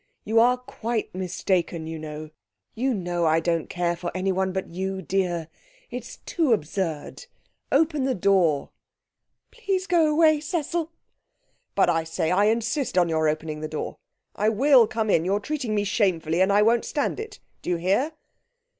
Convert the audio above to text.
You are quite mistaken, you know.... You know I don't care for anyone but you, dear. It's too absurd. Open the door!' 'Please go away, Cecil.' 'But, I say, I insist on your opening the door! I will come in; you're treating me shamefully, and I won't stand it. Do you hear?'